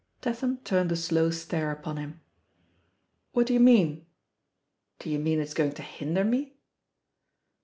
Tatham turned a slow stare upon him. What do you mean? Do you mean it's going to hinder tne?"